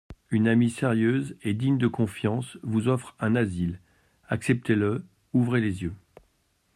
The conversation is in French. Une amie sérieuse et digne de confiance vous offre un asile, acceptez-le, ouvrez les yeux.